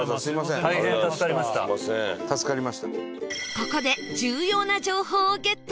ここで重要な情報をゲット